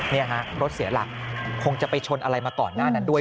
นี่ฮะรถเสียหลักคงจะไปชนอะไรมาก่อนหน้านั้นด้วย